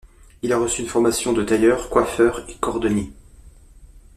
Il a reçu une formation de tailleur, coiffeur et cordonnier.